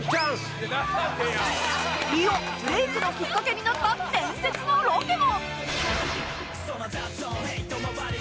飯尾ブレイクのきっかけになった伝説のロケも！